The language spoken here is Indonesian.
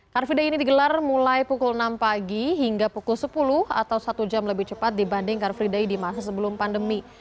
car free day ini digelar mulai pukul enam pagi hingga pukul sepuluh atau satu jam lebih cepat dibanding car free day di masa sebelum pandemi